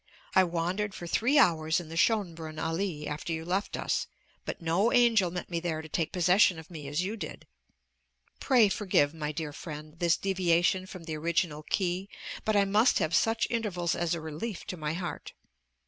I wandered for three hours in the Schönbrunn Allée after you left us, but no angel met me there to take possession of me as you did. Pray forgive, my dear friend, this deviation from the original key, but I must have such intervals as a relief to my heart.